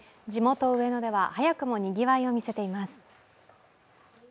地元・上野では早くもにぎわいを見せています。